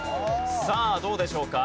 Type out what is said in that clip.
さあどうでしょうか？